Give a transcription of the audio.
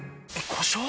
故障？